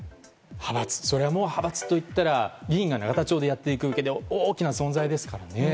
それはもう派閥と言ったら議員が永田町でやっていくうえで大きな存在ですからね。